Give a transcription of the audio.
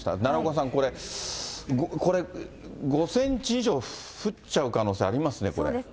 奈良岡さん、これ、５センチ以上降っちゃう可能性ありますね、これ。